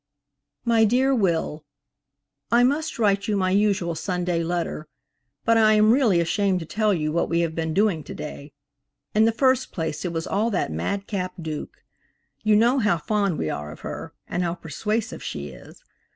MY DEAR WILL: I must write you my usual Sunday letter, but I am really ashamed to tell you what we have been doing to day. In the first place it was all that mad cap Duke. You know how fond we are of her, and how persuasive she is.